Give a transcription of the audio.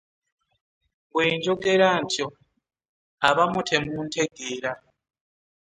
Bwe njogera ntyo abamu temuntegeera.